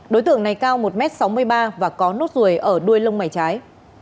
đối tượng này cao một m sáu mươi ba và có nốt ruồi ở đuôi lông mày trái